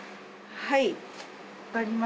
はい。